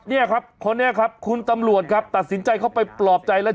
เนี่ยครับคนนี้ครับคุณตำรวจครับตัดสินใจเข้าไปปลอบใจแล้ว